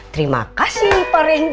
terima kasih pak randy